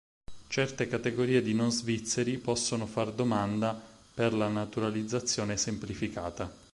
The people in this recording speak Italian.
Certe categorie di non svizzeri possono far domanda per la naturalizzazione semplificata.